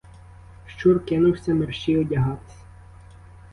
Щур кинувся мерщій одягатись.